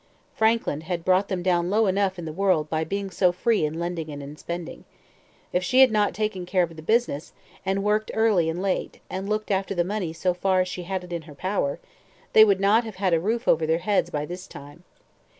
Frankland had brought them down low enough in the world by being so free in lending and in spending. If she had not taken care of the business, and worked early and late, and looked after the money so far as she had it in her power, they would not have had a roof over their heads by this time.